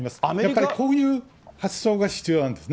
やっぱりこういう発想が必要なんですね。